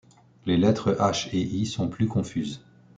Les lettres H et I sont plus confuses.